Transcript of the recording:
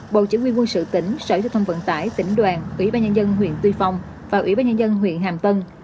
bộ trưởng nguyên quân sự tỉnh sở thông vận tải tỉnh đoàn ủy ban nhân dân huyện tuy phong và ủy ban nhân dân huyện hàm tân